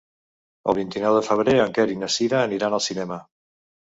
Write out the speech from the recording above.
El vint-i-nou de febrer en Quer i na Cira aniran al cinema.